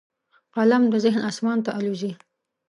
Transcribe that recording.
قلم د ذهن اسمان ته الوزي